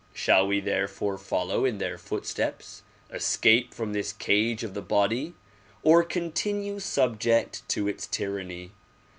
Shall we therefore follow in their footsteps, escape from this cage of the body or continue subject to its tyranny?